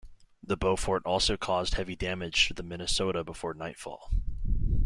The "Beaufort" also caused heavy damage to the "Minnesota" before nightfall.